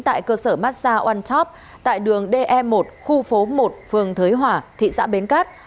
tại cơ sở massage onetop tại đường de một khu phố một phường thới hòa thị xã bến cát